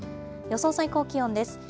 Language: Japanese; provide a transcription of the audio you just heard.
予想最高気温です。